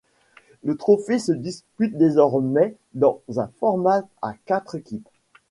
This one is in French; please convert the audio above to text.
Le trophée se dispute désormais dans un format à quatre équipes.